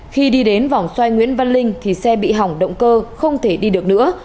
khi đi đến vòng xoay nguyễn văn linh thì xe bị hỏng động cơ không thể đi được nữa